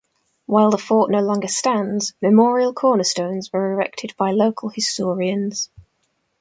While the fort no longer stands, memorial cornerstones were erected by local historians.